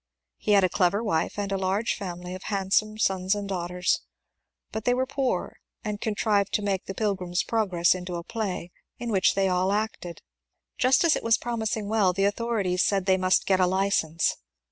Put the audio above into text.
He had a clever wife and a large family of handsome sons and daugh ters, but they were poor, and contrived to make " The Pil grim's Progress " into a play, in which they all acted. Just as it was promising well the authorities said they must get a license.